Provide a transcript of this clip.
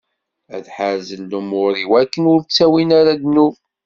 Ad ḥerzen lumuṛ-iw, akken ur ttawin ara ddnub.